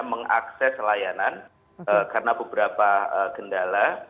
mengakses layanan karena beberapa kendala